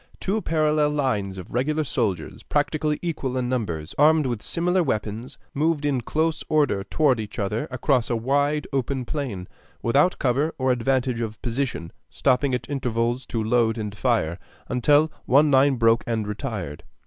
Two parallel lines of regular soldiers, practically equal in numbers, armed with similar weapons, moved in close order toward each other across a wide, open plain, without cover or advantage of position, stopping at intervals to load and fire, until one line broke and retired.